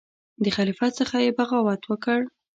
د خلیفه څخه یې بغاوت وکړ.